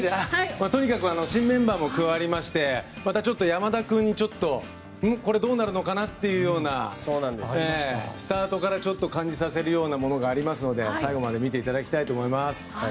とにかく新メンバーも加わりましてまたちょっと山田君にこれ、どうなるのかなっていうようなスタートからちょっと感じさせるようなものがありますので最後まで見ていただきたいと思います。